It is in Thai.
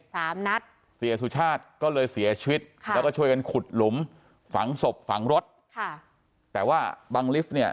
สามนัดเสียสุชาติก็เลยเสียชีวิตค่ะแล้วก็ช่วยกันขุดหลุมฝังศพฝังรถค่ะแต่ว่าบังลิฟต์เนี่ย